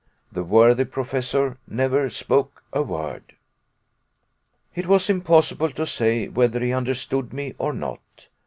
The worthy Professor never spoke a word. It was impossible to say whether he understood me or not.